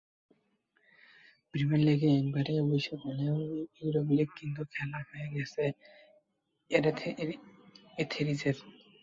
Premier লিগে এবারই অভিষেক হলেও ইউরোপা লিগ কিন্তু খেলা হয়ে গেছে এথেরিজের।